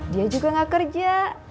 dia juga gak kerja